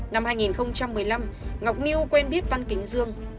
năm hai nghìn một mươi năm ngọc niêu quen biết văn kính dương